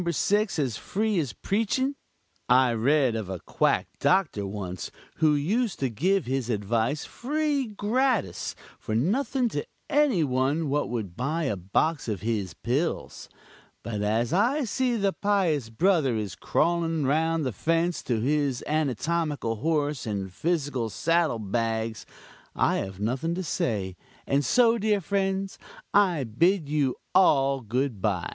6 as free as preaching? I read of a quack doctor once, who used to give his advice free gratis for nothing to any one what would buy a box of his pills but as I see the pious brother is crawling round the fence to his anatomical horse and physical saddle bags, I have nothing to say, and so, dear friends, I bid you all good by."